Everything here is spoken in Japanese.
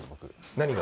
何が？